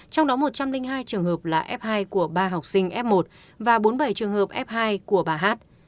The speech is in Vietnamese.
trong đó một trăm linh hai trường hợp là f hai của ba học sinh f một và bốn mươi bảy trường hợp f hai của bà hát